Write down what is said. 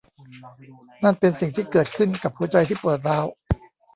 นั่นเป็นสิ่งที่เกิดขึ้นกับหัวใจที่ปวดร้าว